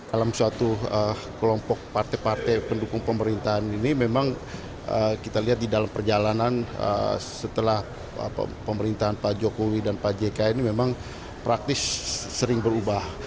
dalam suatu kelompok partai partai pendukung pemerintahan ini memang kita lihat di dalam perjalanan setelah pemerintahan pak jokowi dan pak jk ini memang praktis sering berubah